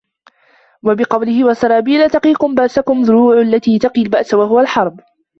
وَبِقَوْلِهِ وَسَرَابِيلَ تَقِيكُمْ بَأْسَكُمْ الدُّرُوعَ الَّتِي تَقِي الْبَأْسَ وَهُوَ الْحَرْبُ